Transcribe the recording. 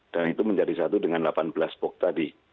dan itu menjadi satu dengan delapan belas box tadi